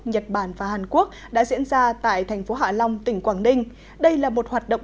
nhật bản và hàn quốc đã diễn ra tại thành phố hạ long tỉnh quảng ninh đây là một hoạt động